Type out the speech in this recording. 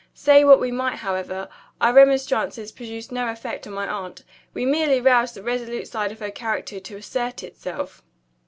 Say what we might, however, our remonstrances produced no effect on my aunt. We merely roused the resolute side of her character to assert itself.